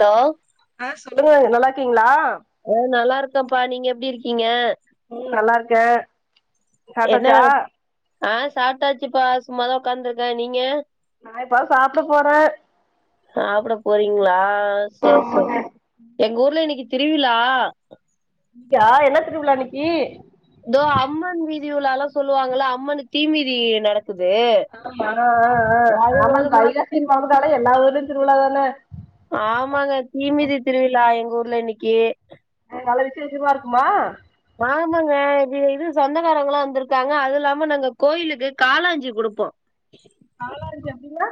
Hello ஆ சொல்லுங்க நல்லாருக்கீங்களா ஊ நல்லா இருக்கன்ப்பா நீங்க எப்டி இருக்கீங்க? உ நல்லா இருக்க என்ன வேல ஆ சாப்ட்டாச்சுப்பா சும்மாதா உக்காந்திருக்க நீங்க நா இப்பதா சாப்ட போற சாப்ட போறீங்ளா செர் செர் எங்க ஊர்ல இன்னிக்கு திருவிழா யா என்ன திருவிழா இன்னிக்கு தோ அம்மன் வீதி உலா எல்லா சொல்லுவாங்கல்ல அம்மனுக்கு தீ மிதி நடக்குது ஆமா ஆ ஆ அது ஆமா ஒரு மா வைகாசி பொறந்தாலே எல்லா ஊர்லயு திருவிழாதான ஆமாங்க தீ மிதி திருவிழா எங்க ஊர்ல இன்னிக்கி அ நல்ல விசேஷமா இருக்குமா ஆமாங்க இது இது சொந்தக்காரங்கெல்லா வந்திருக்காங்க அது இல்லாம நாங்க கோயிலுக்கு காலாஞ்சி குடுப்போ காலாஞ்சி அப்டினா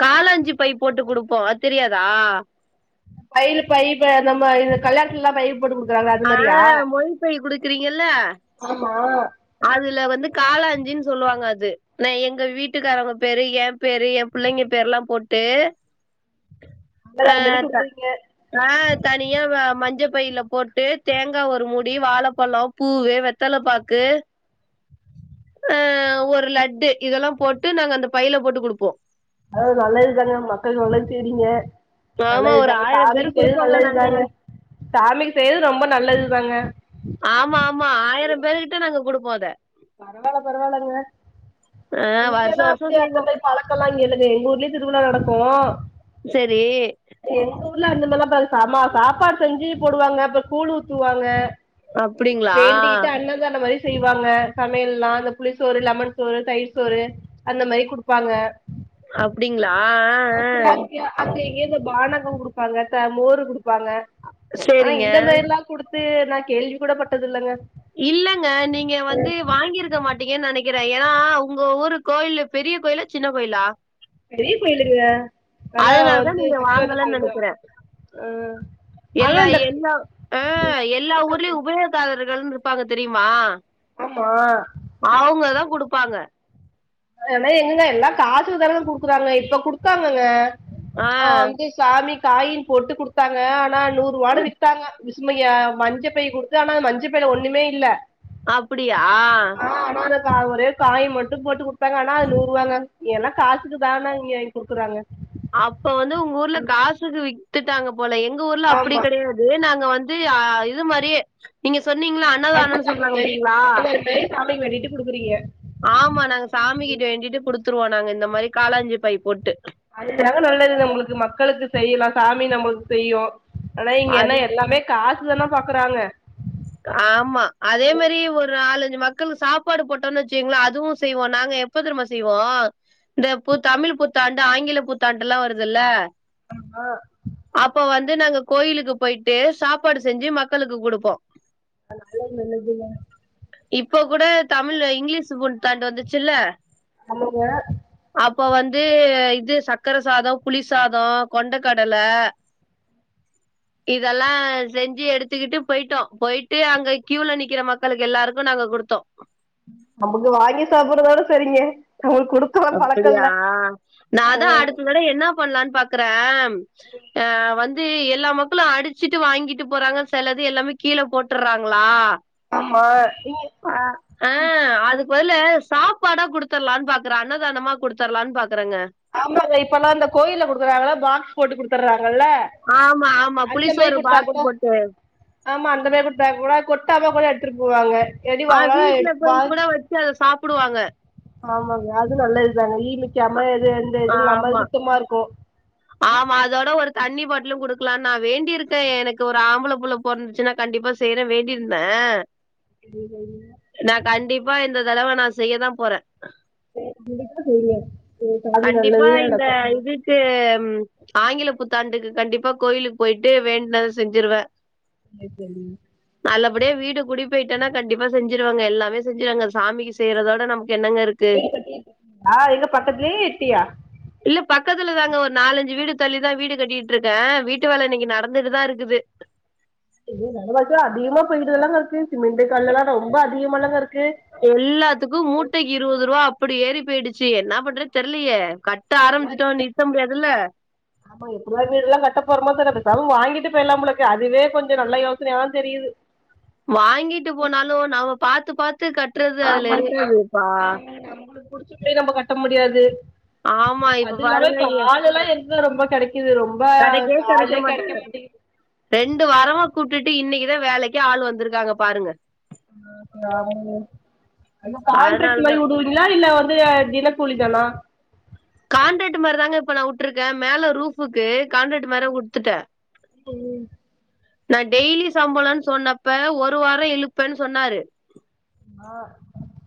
காலாஞ்சி பை போட்டு குடுப்போ அது தெரியாதா கைல பை இப்ப நம்ம இந்த கல்யாணத்துல எல்லா பை போட்டு குடு ஆ மொய் பை குடுக்கறீங்கல்ல ஆமா அதுல வந்து காலாஞ்சின்னு சொல்லுவாங்க அது நா எங்க வீட்டுக்காரவங்க பேரு என் பேரு என் புள்ளைங்க பேரெல்லா போட்டு அ அன்னதானம் மாரி குடுக்குறீங்க நா தனியா மஞ்ச பைல போட்டு தேங்கா ஒரு மூடி வாழப்பழோ பூவு, வெத்தல, பாக்கு அ ஒரு லட்டு இதெல்லாம் போட்டு நாங்க அந்த பைல போட்டு குடுப்போ அதா நல்லதுதாங்க மக்கள் நல்லது செய்றீங்க ஆமா ஒரு நல்லதுதாங்க ஆயிரம் சாமிக்கு பேருக்கு செய்றது குடுப்போங்க நாங்க நல்லதுதாங்க சாமிக்கு செய்றது ரொம்ப நல்லதுதாங்க ஆமாமா ஆயிரம் பேரு கிட்ட நாங்க குடுப்போ அத பரவால்ல பரவால்லங்க ஆ வருஷ இங்கெல்லா வருஷோ அப்டி செய்வோ அந்த பழக்கல்லா இங்க இல்லங்க எங்க ஊர்லயு திருவிழா நடக்கு செரி எங்க ஊர்ல அந்த மாரில்லாம் ப ச ம சாப்பாடு செஞ்சு போடுவாங்க அப்றோ கூழ் ஊத்துவாங்க அப்டிங்களா வேண்டிகிட்டு அன்னதானம் மாரி செய்வாங்க சமையல்லா இந்த புளி சோறு, லெமன் சோறு, தயிர் சோறு அந்த மாரி குடுப்பாங்க அப்டிங்ளா அ அ அப்றோ அது அங்க இங்க பானரோ குடுப்பாங்க மோரு குடுப்பாங்க ஆனா சரிங்க இந்த மாரில்லா குடுத்து நா கேள்வி கூட பட்டது இல்லங்க இல்லங்க நீங்க வந்து வாங்கிருக்க மாட்டீங்கனு நெனைக்கிற ஏனா உங்க ஊரு கோயிலு பெரிய கோயிலா சின்ன கோயிலா பெரிய கோயிலுங்க நல்லா அதனாலதா வந்து நீங்க சக்தி வாய்ந்த வாங்கலனு கோயில் தா நெனைக்கிற ஆனா எல்லா இந்த எல்லா ஆ எல்லா ஊர்லயு உபயோ க்காரர்கள்னு இருப்பாங்க தெரிமா ஆமா அவுங்கதா குடுப்பாங்க அதெல்லா எங்கங்க எல்லா காசுகதானங்க குடுக்கறாங்க இப்ப குடுகத்தாங்கங்க ஆ சாமி காயின் போட்டு குடுத்தாங்க ஆனா நூருவானு வித்தாங்க விசுமயா மஞ்சப்பை குடுத்து ஆனா மஞ்சப்பைல ஒண்ணுமே இல்ல அப்பிடியா ஆமாங்கக்கா ஒரே காய் மட்டு போட்டு குடு தாங்க ஆனா அது நூறு ரூவாங்க ஏனா காசுக்கு தான இங்கங் குடுக்குறாங்க அப்ப வந்து உங் ஊர்ல காசுக்கு வித்துட்டாங்க போல எங்ஊர்ல அப்புடி ஆமா கெடயாது அது நாங்க வந்து ஆ இது மாரியே நீங்க சொன்னீங்ல அன்னதானோன் சொல்றாங்க பாத்தீங்ளா சாமிக் வேண்டிட்டு குடுக்குறீய ஆமா நாங்க சாமி கிட்ட வேண்டிட்டு குடுத்துருவோ நாங்க இந்த மாரி காலாஞ்சு பை போட்டு அதுதாங்க நல்லது நம்ளுக்கு மக்களுக்கு செய்லா சாமி நம்ளுக்கு செய்யு ஆனா இங்க என்ன எல்லாமே காசு நல்லா பாக்குறாங்க ஆமா அதே மேரி ஒரு நாலஞ்சு மக்களுக்கு சாப்பாடு போட்டோன் வச்சுங்ளேன் அதுவு செய்வோ நாங்க எ ப்ப தெர்மா செய்வோ இந்த பு தமிழ் புத்தாண்டு ஆங்கில புத்தாண்டுல்லா வருதுல்ல ஆமா அப்ப வந்து நாங்க கோயிலுக்கு போய்ட்டு சாப்பாடு செஞ்சு மக்களுக்கு குடுப்போ அது நாலா பண்ணதில்ல இப்ப கூட தமிழு‌ இங்கிலீஷ் புத்தாண்டு வந்துச்சுல்ல ஆமாங்க அப்ப வந்து இது சக்கர சாதோம் புளி சாதோம் கொண்ட கடல இதெல்லா செஞ்சு எடுத்துக்கிட்டு போய்ட்டோ போய்ட்டு அங்க க்யூல நிக்கிற மக்களுக்கு எல்லாருக்கு நாங்க குடுத்தோ நமக்கு வாங்கி சாப்புரதோட செரிங்க நம்ளுக்கு குடு அப்பிடியா நா அதா அடுத்ததடவ என்ன பண்லான் பாக்குற ஆ வந் து எல்லா மக்களு அடிச்சிட்டு வாங்கிட்டு போறாங்க செலது எல்லாமே கீழ போட்டறாங்ளா ஆமா நீங்க ஆ அதுக்கு பதுல சாப்பாடா குடுத்தற்ளான் பா க்குறே அன்னதானமா குடுத்தர்லான் பாக்றேங்க ஆமாங்க இப்பெல்லா இந்த கோயில்ல குடுக்குறாங்கலா பாக்ஸ் போட்டு குடுத்தர்றாங்கல்ல ஆமா ஆமா புளி சோறு பாக்ஸ்ஸு போட்டு ஆமா அந்த மாரி குடுத்தா கூட கொட்டாம கூட எடுத்துட்டு போவாங்க இல்லாட்டி வா அவுங்களால வா ட்ல அத சாப்புடுவாங்க ஆமாங்க அது நல்லதுதானே ஈ மிக்கமா எது இதுவு இல்லாம ஆமா சுத்தமா இருக்கு ஆமா அதோட ஒரு தண்ணி பாட்லு குடுக்லான் நா வேண்டிருக்கே எனக்கு ஒரு ஆம்பள புள்ள பொறந்துச்சுன்னா கண்டிப்பா செய்றே வேண்டியிருந்தே [inaudible] நா‌ கண்டிப்பா இந்த தடவ நா செய்யதா போறே [inaudible] சாமி நல்லதே நடக்கு க்கு ம் ஆங்கில புத்தாண்டுக்கு கண்டிப்பா கோய்லுக்கு போயிட்டு வேண்டுனத செஞ்சிருவே சேர் தோழி நல்லபடியா வீடு குடி போய்ட்டனா கண்டிப்பா செஞ்சிருவேங்க எல்லாமே செஞ்சிருவேங்க சாமிக்கு செய்றதோட நமக்கு என்னங்கரு வீடு கட்டிட்ருக்கீங்ளா எங்க பக்கத்துலயா எட்டியா இல்ல பக்கத்துல தாங்க ஒரு நாலஞ்சு வீடு தள்ளிதா வீடு கட்டிட்ருக்கே வீட்டு வேல இன்னக்கி நடந்துட்டுதா இருக்குது அய்யோ வெலவாசிலா அதிகமா போயிட்டுலால்லாங்க இருக்கு சிமெண்ட்டு கல்லெல்லா ரொம்ப அதிகமால்லங்க இருக்கு எல்லாத்துக்கு மூட்டைக்கு இருவது ரூபா அப்டி ஏறி போய்டுச்சு என்ன பண்றது தெர்லயே க த்த எல்லா ஆரம்பிச்சுடோ வீடு நிற்த்த முடியாது இல்ல. ஆமா எப்பிடிதா வீடு எல்லா கட்ட போறமோ தெர்ல பேசாம வாங்கிட்டு போயிர்லாம் போலருக்கு அதுவே கொஞ்சோ நல்ல யோசனையாதா தெரியிது. வாங்கிட்டு போனாலு நாம பாத்து பாத்து கட்றது அதுல இருக்காதுப்பா. புடிச்சிட்டு நம்ப கட்ட முடியாது அது இல்லாம இப்ப ஆளுல்லா எ ங்க ரொம்போ கெடைக்குது ரொம்பக் கடைக்கே ஆளே மாட் கெடைக்க மாட்டிகிது. ரெண்டு வாரமா கூப்டுட்டு இன்னிக்குதா வேலைக்கே ஆள் வந்துருக்காங்க பாருங்க. ஆஹ ஆமாங்க அதா கான்ட்ராக்ட் அதனாலதா மாரி ஊடு வி ட்டிங்ளா இல்ல வந்து தினக்கூலி தானா கான்ட்ராட்டு மாரிதாங்க இப்ப நா உட்ருக்கே மேல ரூஃபுக்கு கான்ட்ராட்டு மாரே குடுத்துட்டே. ம். நா டெய்லி சம்பளன் சொன்னப்ப ஒரு வாரோ இழுப்பேன் சொன்னாரு. நா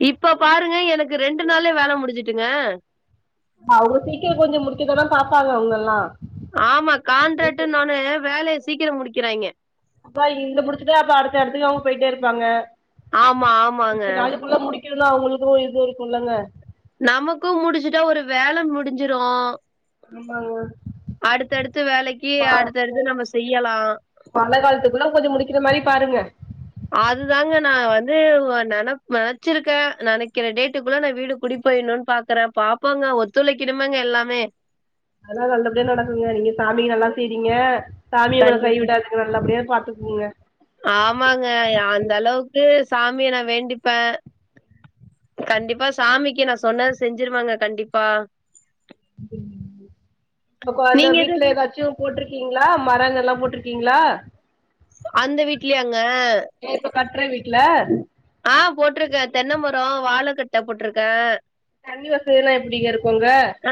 இப்ப பாருங்க எனக்கு ரெண்டு நாள்லே வேல முடிஞ்சுட்டுங்க. ம்மா அவுளுவு சீக்கிர கொஞ்சோ முடிக்கதான பாப்பாங்க அவுங்கல்லா ஆமா கான்ட்ராட்டுனோனே வேலைய சீக்கிரோ முடிக்கிறாங்க. அப்பா இங்க முடிச்சிட்டா அப்ற அடுத்த எடத்துக்கு அவுங்க போயிட்டேருப்பாங்க. ஆமா ஆமாங்க இத்தன் நாளுக்குள்ள முடி க்கினு அவுங்குளுக்கு இது இருக்குல்லங்க. நமக்கு முடிச்சிட்டா ஒரு வேல முடிஞ்சிரு. ஆமாங்க அடுத்தடுத்து வேலைக்கி அடுத்தடுத்து நம்ப செய்யலா. மழ காலத்துக்குல்ல கொஞ்சோ முடிக்கிற மாரி பாருங்க. அது தாங்க நா வந்து இவ் நெனப் நெனச்சிருக்கே நெனக்கிற டேட்டுக்குள்ள நா வீடு குடி போயிர்ணுன் பாக் கறே பாப்போங்க ஒத்துழைக்கணுமேங்க எல்லாமே. அதலா நல்லபடியா நடக்குங்க நீங்க சாமிக் நல்லா செய்றீங்க சாமி உங்கள கை கண்டிப் விடாது. [unintelligible] நல்லபடியா பாத்துக்குணுங்க. ஆமாங்க ய அந்த அளவுக்கு சாமிய நா வேண்டிப்பே. கண்டிப்பா சாமிக்கு நா சொன்னத செஞ்சிருவங்க கண்டிப்பா. ப்பக் வந்து நீங்க எது வீட்ல எதாச்சு போட்ருக்கிங்ளா மரங்க எல்லா போட்ருக்கிங்ளா? அந்த வீட்லயாங்க? அ இப்ப கட்ற வீட்ல. அ போட்ருக்கே தென்னமரோ வாழக்கட்ட போட்ருக்கே. தண்ணி வசதியெல்லா எப்டிங்க இருக்கு அங்க? அ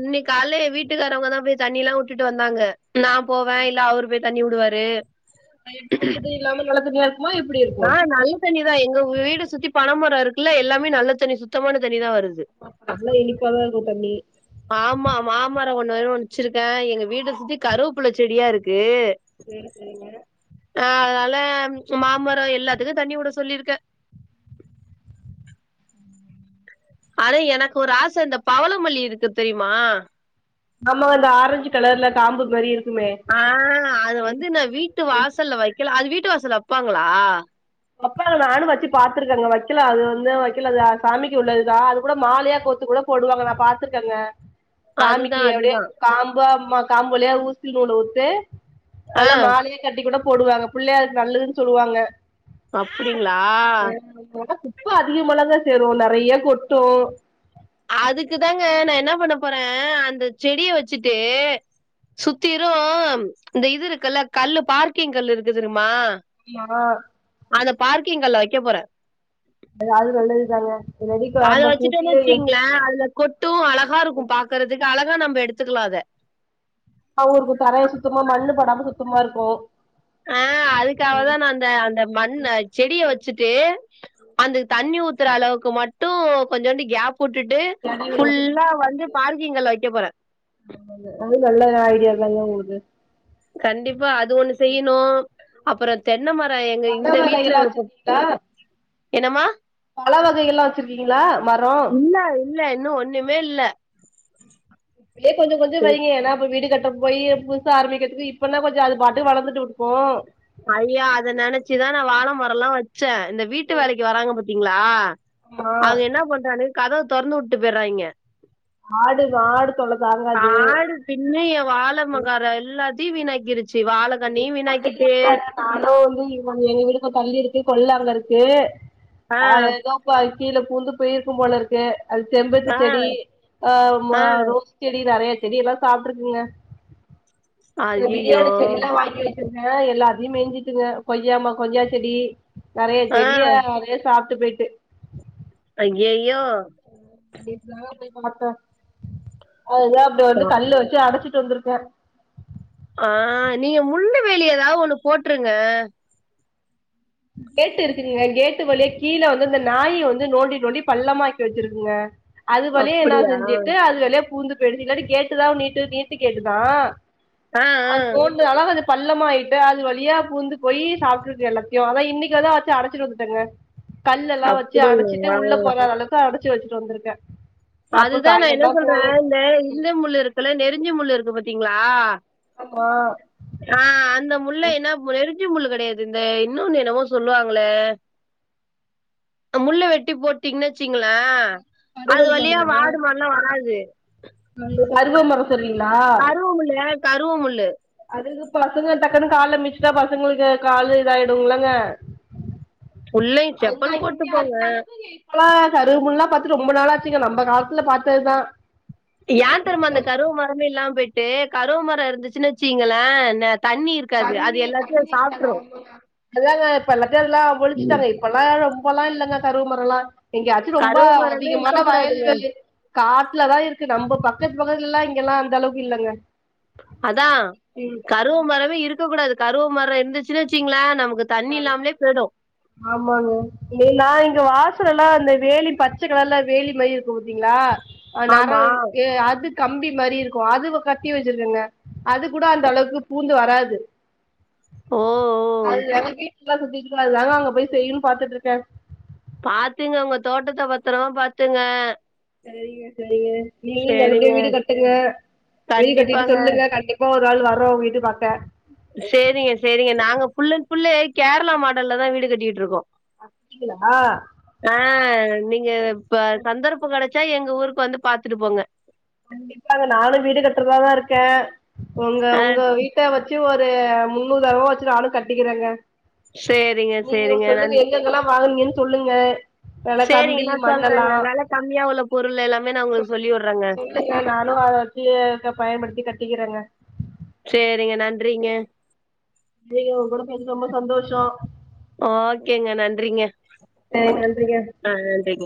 இன்னிக் கால்ல வீட்டுக்காரவங்க தா போய் தண்ணி எல்லா உட்டுட்டு வந்தாங்க நா போவே இல்ல அவுரு போய் தண்ணி உடுவாரு. அ எப்டி உப்பு தண்ணி இல்லாம நல்ல தண்ணியா இருக்குமா எப்டி இருக்கு? தண்ணிதா எங்கவ் வீடு சுத்தி பண மரோ இருக்குல்ல எல்லாமே நல்ல தண்ணி சுத்தமான தண்ணிதா வருது. நல்ல இனிப்பாதா இருக்கு தண்ணி. ஆமா மாமரோ ஒன்னு வேற வெச்சிருக்கே. எங்க வீட்ட சுத்தி கருவுப்புல்ல செடியாருக்கு. சேரி செரிங்க. அ அதனால மாமரோ எல்லாத்துக்கு தண்ணி உட சொல்லிருக்கே. ஆனா எனக்கு ஒரு ஆச இந்த பவளமல்லி இருக்கு தெரிமா? ஆமா அந்த ஆரஞ்சு கலர்ல காம்பு மாரி இருக்குமே. ஆ அது வந்து நா வீட்டு வாசல்ல வெக்கல அது வீட்டு வாசல்ல வெப்பாங்களா? வெப்பாங்க நானு வெச்சு பாத்துருக்கங்க வெக்கலா அது வந்து வெக்கலா அது சாமிக்கு உள்ளது தா அது கூட மாலையா கோ த்து கூட போடுவாங்க நா பாத்துருக்கங்க. சாமிக்கு அதுதான் அப்டியே அதுதான். காம்பா அம்மா காம்பு வழியா ஊசி நூலு ஊத்து ஆ நல்லா மாலயா கட்டி கூட போடுவாங்க பிள்ளையார்கு நல்லதுன்னு சொல்லுவாங்க அப்டீங்ளா ம் போனா குப்ப அதிகமதா சேரு நெறைய கொட்டு அதுக்கு தாங்க நா என்ன பண்ண போற அந்த செடிய வெச்சுட்டு சுத்திரு இந்த இது இருக்குல்ல கல்லு பார்க்கிங் கல்லு இருக்கு தெரிமா ஆமா அந்த பார்கிங் கல்ல வெக்க போறே அதாவது நல்லதுதாங்க இல்லாட்டி அத காம்ப வெச்சுட்டோனு கூட்டியே வெச்சுக்கங்களே அதுல கொட்டு அழகா இருக்கு பாக்கறதுக்கு அழகா நம்ம எடுத்துக்கலா அத அவங்கருக்கு தரை சுத்தமா மண்ணு பாடாம சுத்தமா இருக்கு ஆ அதுக்காகதா நா அந்த அந்த மண்ண செடிய வெச்சுட்டு அந்த தண்ணி ஊத்தற அளவுக்கு மட்டு கொஞ்சோண்டு கேப் உட்டுட்டு எடையில விட்டுட்டு ஃபுல்லா வந்து பார்க்கிங்ல வெக்க போற ஆமா ஆமாங்க அது நல்ல ஐடியா தாங்க உங்குலுது கண்டிப்பா அது ஒண்ணு செய்யணு அப்ரோ தென்னமரோ எங்க பழ இந்த வீட்டுல வகையெல்லா இருப்போ வச்சிருக்கீங்களா என்னம்மா பழ வகைகெல்லா வெச்சிருக்கீங்களா மரோ இல்ல, இல்ல இன்னு ஒண்ணுமே இல்ல இப்டியே செஞ்சு செஞ்சு வைங்க ஏன்னா அப்ப வீடு கட்ரப் போய் புதுசு ஆரம்பிக்கறதுக்கு இப்பன்னா கொஞ்சோ அது பாட்டுக்கு வளந்துட்டு விடுப்போ ஐயோ அத நெனச்சுதா நா வாழ மரோலா வெச்சே இந்த வீட்டு வேலைக்கு வராங்க பாத்தீங்களா ஆமா அது என்ன பண்றானுக கதவு தொறந்து விட்டு போயற்றாய்ங்க ஆடு ஆடு தொல்ல தாங்காது பின்ன என் வாழ [unintelligible] எல்லாத்தையு வீணாக்கிருச்சு வாழைகண்ணணயு வினாக்கி அங்க வந்து இவங்க எங்க வீட்டுக்கு தள்ளி இருக்கு கொள்ள வங்க இருக்கு ஆ அது ஏதோ ப்ப கீழ பூந்து போயிருக்கும் போல இருக்கு அது செம்பருத்தி ஆ செடி ஆ ம் ஆ ரோ செடி நெறைய செடி எல்லா சாப்ட்ருக்குங்க ஐயையோ பிரியாணி செடி எல்லா வாங்கி வெச்சுருந்த எல்லாத்தையு மேஞ்சுருட்ங்க கொய்யா ம கொய்யா செடி நெறைய ஆ செடிய அதே சாப்ட்டு போய்ட்டு அய்யய்யோ நா நேத்துதா போய் பாத்தோ அதுதா அப்டி வந்து கல்லு போய் அடச்சிட்டு வந்துருக்கோ ஆ நீங்க முள்ளு வேலி ஏதாவுது ஒண்ணு போட்ருங்க கேட்டு இருக்குங்க கேட்டு வழியே கீழே வந்து இந்த நாயி வந்து நோண்டி நோண்டி பள்ளமாக்கி வெச்சுருக்குங்க அது வழியா என்ன அப்படியா செஞ்சிட்டு அது வழியா பூந்து போயிடுச்சு இல்லாட்டி கேட்டுதா நீட்டு நீட்டு கேட்டுதா ஆ ஆ அது தோன்றனால கொஞ்சோ பள்ளமாயிட்டு அது வழியா பூந்து போயி சாப்ட்ருக்கு எல்லாத் யோ அதா இன்னைக்குதா வச்சி அடச்சிட்டு வந்துட்டங்க கல்லல்லா வச்சி அடச்சிட்டு அப்படியா உள்ள போகாத அளவுக்கு இப்போ அடச்சு வெச்சிட்டு வந்துருக்க அதுதா நா என்ன சொல்ற இந்த இந்த முள்ளு இருக்குல்ல நெருஞ்சி முள்ளு இருக்கு பாத்தீங்களா ஆமா ஆ அந்த முள்ள என்ன நெருஞ்ச்சி முள்ளு கெடையாது இந்த இன்னொன்னு என்னவோ சொல்லுவாங்களே முள்ள வெட்டி போட்டீங்கன்னு வெச்சீங்கள அது கருவறு வழியா மரமா வாடு மாடுல்லா வராது கருவ மரம் சொல்ட்றீங்ளா கருவ முள்ளு அது பசங்க டக்குன்னு கால்ல மிச்சிட்டா பசங்களுக்கு காலு இதாயிடுங்கில்லங்க உள்ளை செப்பல் போட்டு போங்க இப்பல்லா கருவ முள்ளா பாத்து ரொம்ப நாளாச்சுங்க நம்ம காலத்துல பார்த்ததுதா ஏ தெரிமா அந்த கருவு மரமே இல்லாம போயி்ட்டு கருவ மரம் இருந்துச்சுன்னு வச்சுங்களே தண்ணீர் அதாங்க இப்ப எல்லாத்தையு எல்லா ஒழிச்சிட்டாங்க இப்பல்லா ரொம்பல்லா இல்லங்க கருவ மரல்லா எங்கியாச்சி ரொம்ப கருவ மரமே அதிகமான வயல் இருக்கக்கூடாதுங்க வெலி காட்லதா இருக்கு நம்ப பக்கத்து பக்கத்துலல்லா இங்கல்லா அந்த அளவுக்கு இல்லங்க அதா ம் கருவு மரமே இருக்க கூடாது கருவு மர இருந்துச்சின் வச்சீங்ளா நமக்கு தண்ணி இல்லாமலே போய்டு ஆமாங்க நா இங்க வாசலல்லா இந்த வேலி பச்ச கலர்ல வேலி மேரி இருக்கு பாத்தீங்களா அ நேரோ ஆமா அது கம்பி மாரி இருக்கு அது கட்டி வச்சிருக்கங்க அது கூட அந்த அளவுக்கு பூந்து வராது ஓ ஓ அது எங்க வீட்ல சுத்திட்டு இருக்க அது தாங்க அங்க போயி செய்யுன் பாத்துட்ருக்க பாத்துங்க உங்க தோட்டத்த பத்தரமா பாத்துங்க செரிங்க செரிங்க நீங்க நல்லபடியா சேரிங்க வீடு கட்டுங்க வீடு கட்டிட்டு கண்டிப்பாங்க சொல்லுங்க கண்டிப் பா ஒரு நாள் வர்ரோ உங்க வீட்ட பாக்க சேரிங்க சேரிங்க நாங்க ஃபுல்லன் ஃபுல்லு கேரளா மாடல்லதா வீடு கட்டிட்ருக்கோ அப்டிங்ளா ஆ நீங்க இப்ப சந்தர்ப்போங் கெடச்சா எங்க ஊருக்கு வந்து பாத்துட்டு போங்க கண்டிப்பாங்க நானு வீடு கட்றதாதா இருக்க உங்க ஆ உங்க வீட் ட வச்சி ஒரு முன்னுதாரனமா வச்சி நானு கட்டிக்கிறங்க சேரிங்க நீங்க சேரிங்க நன் சொல்லுங்க எங்கெங்கெல்லா வாங்கனீங்கன் சொல்லுங்க சேரிங்க வெளக்கம்பி நா மண்ணெல்லா சொல்றேங்க வெல கம்மியா உள்ள பொருள் எல்லாமே நா உங்களுக்கு சொல் சொல்லி உட்றங்க சொல்லுங்க நானு அத வச்சி பயன்படுத்தி கட்டிக்கிறங்க சேரிங்க நன்றிங்க இன்னைக்கு உங்க கூட பேசுனது ரொம்ப சந்தோஷோ ஓகேங்க நன்றிங்க சேர் நன்றிங்க ஆ நன்றிங்க